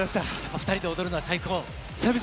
２人で踊るのは最高？